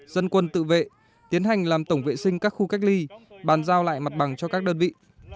dân quân tự vệ tiến hành làm tổng vệ sinh các khu cách ly bàn giao lại mặt bằng cho các đơn vị